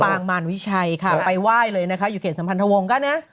มารวิชัยค่ะไปไหว้เลยนะคะอยู่เขตสัมพันธวงศ์ก็นะ